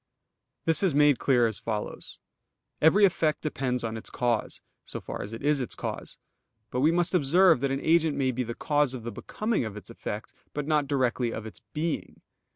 This is made clear as follows: Every effect depends on its cause, so far as it is its cause. But we must observe that an agent may be the cause of the becoming of its effect, but not directly of its _being.